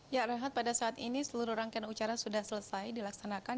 ya renhat pada saat ini seluruh rangkaian ucara sudah selesai dilaksanakan